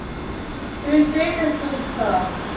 He received the Silver Star.